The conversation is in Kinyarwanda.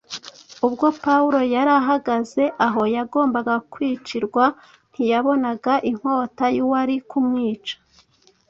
Ubwo Pawulo yari ahagaze aho yagombaga kwicirwa ntiyabonaga inkota y’uwari kumwica